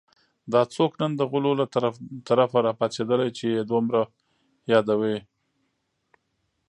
دا څوک نن د غولو له طرفه راپاڅېدلي چې یې دومره یادوي